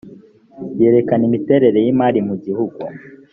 yerekana imiterere y’imari mu gihugu